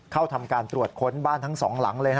เข้าทำการตรวจค้นบ้านทั้งสองหลังเลย